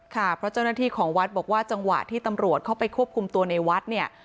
ค่ะเพราะเจ้าหน้าที่ของวัดบอกว่าจังหวะที่ตำรวจเข้าไปควบคุมตัวในวัดเนี่ย